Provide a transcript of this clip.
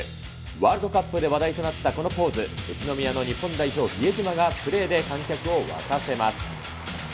ワールドカップで話題となったこのポーズ、宇都宮の日本代表、比江島が、プレーで観客を沸かせます。